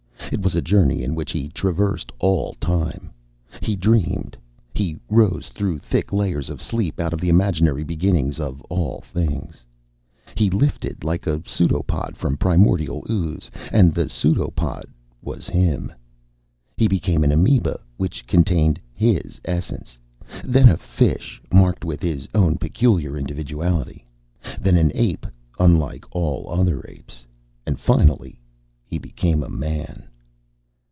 It was a journey in which he traversed all time. He dreamed. He rose through thick layers of sleep, out of the imaginary beginnings of all things. He lifted a pseudopod from primordial ooze, and the pseudopod was him. He became an amoeba which contained his essence; then a fish marked with his own peculiar individuality; then an ape unlike all other apes. And finally, he became a man.